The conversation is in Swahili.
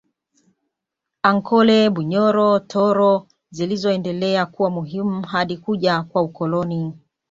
Ankole Bunyoro Toro zilizoendelea kuwa muhimu hadi kuja kwa ukoloni